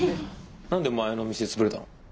何で前の店潰れたの？